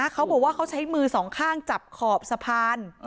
เขาบอกว่าเขาใช้มือสองข้างจับขอบสะพาน